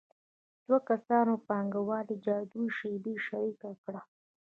دوه کسانو د پانګوالۍ جادويي شیبه شریکه کړه